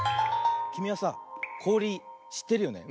きみはさこおりしってるよね？